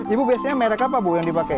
ibu biasanya merek apa bu yang dipakai